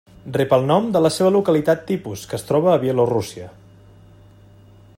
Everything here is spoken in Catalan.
Rep el nom de la seva localitat tipus, que es troba a Bielorússia.